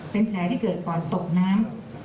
เป็นแผลที่เกิดก่อนตกน้ำ